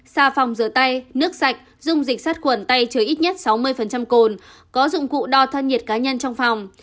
xà phòng rửa tay nước sạch dùng dịch sát khuẩn tay chứa ít nhất sáu mươi cồn có dụng cụ đo thân nhiệt cá nhân trong phòng